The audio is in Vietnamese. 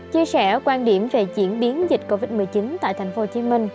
chia sẻ quan điểm về diễn biến dịch covid một mươi chín tại tp hcm